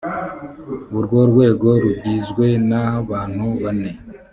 urwo rwego rugizwe n abantu bane